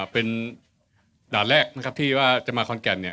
เป็นด่านแรกนะครับที่ว่าจะมาขอนแก่นเนี่ย